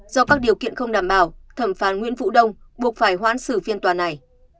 do các điều kiện không đảm bảo thẩm phán nguyễn vũ đông buộc phải hoãn xử phiên tòa này